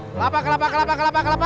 kelapa kelapa kelapa kelapa kelapa